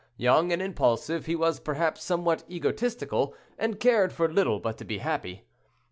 Young and impulsive, he was, perhaps, somewhat egotistical, and cared for little but to be happy.